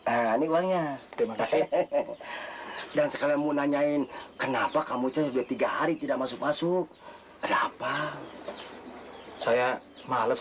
ini uangnya dan sekarang mau nanyain kenapa kamu sudah tiga hari tidak masuk masuk rafa saya males